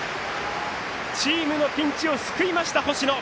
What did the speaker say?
チームのピンチを救いました星野。